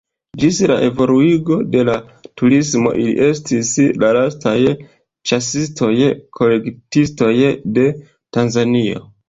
Ĝis la evoluigo de la turismo ili estis la lastaj ĉasistoj-kolektistoj de Tanzanio.